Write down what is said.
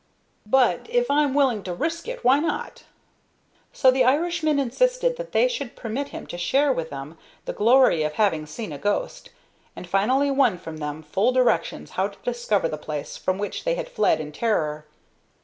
"But, if I'm willing to risk it why not?" So the Irishman insisted that they should permit him to share with them the glory of having seen a ghost, and finally won from them full directions how to discover the place from which they had fled in terror.